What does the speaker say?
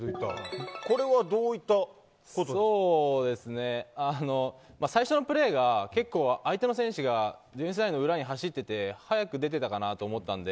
これはそうですね、最初のプレーが結構、相手の選手がディフェンスラインの裏に走っていて早く出てたかなと思ったので。